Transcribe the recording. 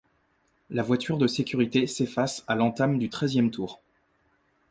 La voiture de sécurité s'efface à l'entame du treizième tour.